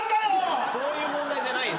そういう問題じゃないんすよ。